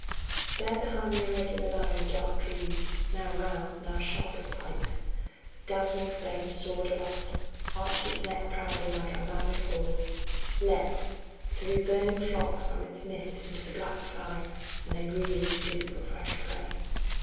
There behind the irregular line of dark trees now round, now sharp as pikes, the dazzling flame soared aloft, arched its neck proudly, like a maddened horse, leaped, threw burning flocks from its midst into the black sky, and then greedily stooped for fresh prey.